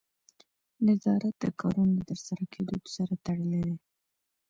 نظارت د کارونو د ترسره کیدو سره تړلی دی.